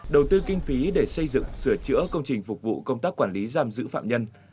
đầu tư kinh phí để xây dựng sửa chữa công trình phục vụ công tác quản lý giam giữ phạm nhân